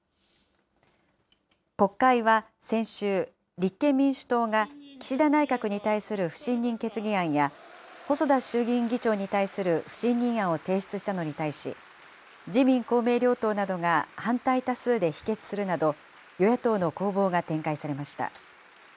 国会は、先週、立憲民主党が岸田内閣に対する不信任決議案や、細田衆議院議長に対する不信任案を提出したのに対し、自民、公明両党などが反対多数で否決するなど、与野党の攻防が展開されました。